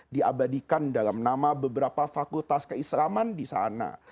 diabadikan dalam nama beberapa fakultas keislaman disana